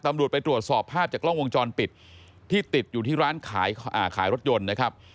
ตำรวจไปตรวจสอบภาพจากกล้องวงจรปิดที่ติดอยู่ที่ร้านขายรถยนต์นะครับ